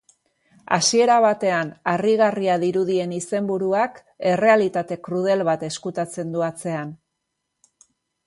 Hasiera batean harrigarria dirudien izenburuak, errealitate krudel bat ezkutatzen du atzean.